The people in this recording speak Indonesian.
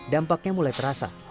dampaknya mulai terasa